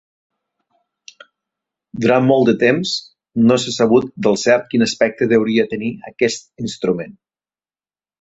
Durant molt de temps, no s'ha sabut del cert quin aspecte deuria tenir aquest instrument.